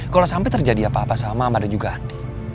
kalau sampai terjadi apa apa sama mama dan juga andi